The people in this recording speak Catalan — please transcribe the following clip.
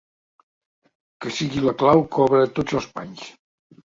Que sigui la clau que obre tots els panys.